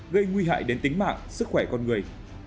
gây nguy hại đến tính mạng sức khỏe con người